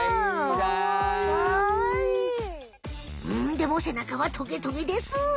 でもせなかはトゲトゲです。